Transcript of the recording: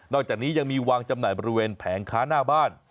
อกจากนี้ยังมีวางจำหน่ายบริเวณแผงค้าหน้าบ้าน